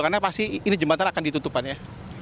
karena pasti ini jembatan akan ditutupan ya